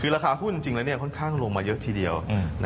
ละขาหุ้นถูกลงมาเยอะทีเดียว